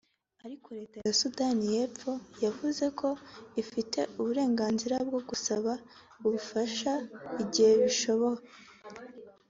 Ariko leta ya Sudan y’epfo yavuze ko ifite uburenganzira bwo gusaba ubufasha igihe bishoboka